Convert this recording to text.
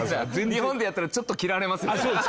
日本でやったらちょっと嫌われますよ。